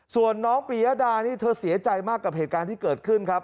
ส่วนน้องปียดานี่เธอเสียใจมากกับเหตุการณ์ที่เกิดขึ้นครับ